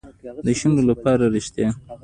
د شونډو لپاره ریښتیا.